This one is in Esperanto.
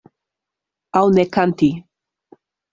Aŭ ne kanti.